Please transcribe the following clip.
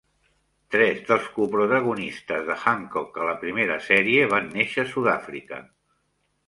Tres dels coprotagonistes de Hancock a la primera sèrie van néixer a Sudàfrica.